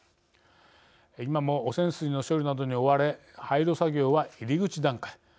今も汚染水の処理などに追われ廃炉作業は入り口段階。